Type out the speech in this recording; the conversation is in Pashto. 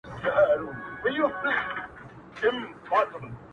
o ږيره زما، اختيار ئې د قاضي غلام.